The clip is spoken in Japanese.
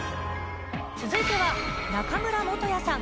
続いては中村素也さん。